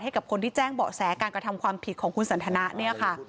ให้กับคนที่แจ้งเบาะแสการกระทำความผิดของคุณสันธนา